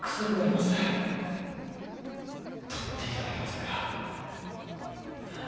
取っていただけませんか。